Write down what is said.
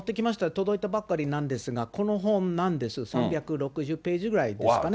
届いたばっかりなんですが、この本なんですよ、３６０ページぐらいですかね。